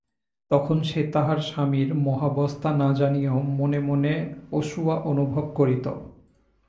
তখন সে তাহার স্বামীর মোহাবস্থা না জানিয়াও মনে মনে অসূয়া অনুভব করিত।